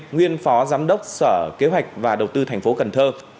nguyên phó giám đốc sở kế hoạch và đầu tư thành phố cần thơ